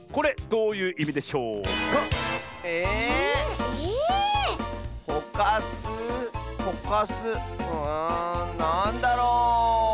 うんなんだろう？